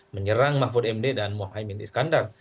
menyerang mahfud md dan mohaimin iskandar